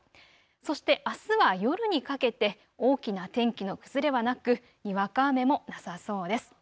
そしてあすは夜にかけて大きな天気の崩れはなくにわか雨もなさそうです。